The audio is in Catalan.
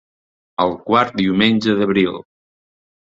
El quart diumenge d'abril.